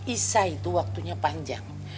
isa itu waktunya panjang